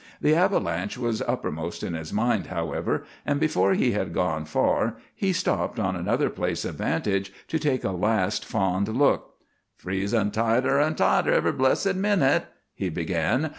The avalanche was uppermost in his mind, however, and before he had gone far he stopped on another place of vantage to take a last fond look. "Freezin' tighter an' tighter every blessed minute," he began.